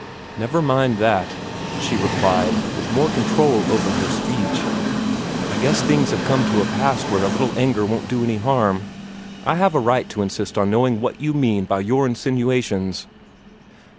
"Never mind that," she replied, with more control over her speech. "I guess things have come to a pass where a little anger won't do any harm. I have a right to insist on knowing what you mean by your insinuations."